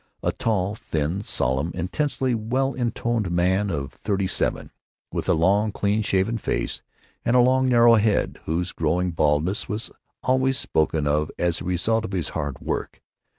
a tall, thin, solemn, intensely well intentioned man of thirty seven, with a long, clean shaven face, and a long, narrow head whose growing baldness was always spoken of as a result of his hard work.